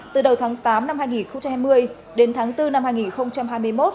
từ đầu tháng tám năm hai nghìn hai mươi đến tháng bốn năm hai nghìn hai mươi một